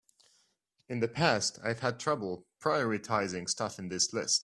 In the past I've had trouble prioritizing stuff in this list.